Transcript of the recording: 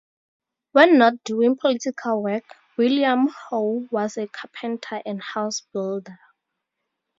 When not doing political work, William Howe was a carpenter and house builder.